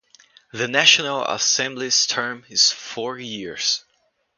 The National Assembly's term is four years.